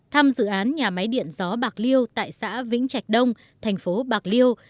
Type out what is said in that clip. thăm dự án nhà máy điện gió bạc liêu tại xã vĩnh trạch đông thành phố bạc liêu